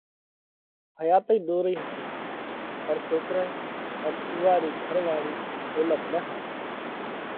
حياتئِي ۮورئِي هتئِي پڻ سوڪرئہ ان اُوئا رِي گھر واۯِي هيمت نہ هارئِي۔